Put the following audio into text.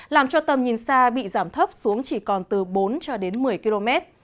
làm cho tầm nhìn xa bị giảm thấp xuống chỉ còn từ bốn cho đến một mươi km